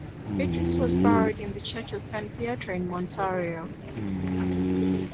Beatrice was buried in the church of San Pietro in Montorio.